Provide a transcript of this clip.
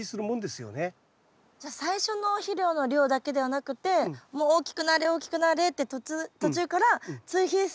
じゃあ最初の肥料の量だけではなくてもう大きくなれ大きくなれってそうですね。